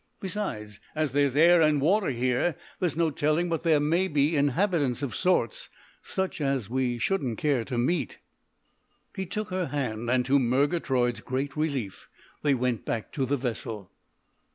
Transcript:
Besides, as there's air and water here, there's no telling but there may be inhabitants of sorts such as we shouldn't care to meet." He took her hand, and to Murgatroyd's great relief they went back to the vessel.